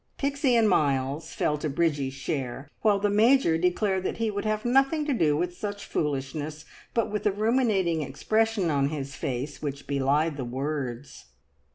Pixie and Miles fell to Bridgie's share, while the Major declared that he would have nothing to do with such foolishness, but with a ruminating expression on his face which belied the words.